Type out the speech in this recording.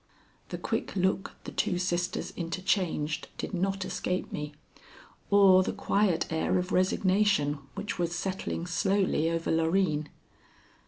The quick look the two sisters interchanged did not escape me, or the quiet air of resignation which was settling slowly over Loreen.